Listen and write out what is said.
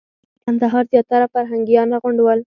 د کندهار زیاتره فرهنګیان راغونډ ول.